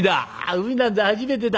海なんざ初めてだ。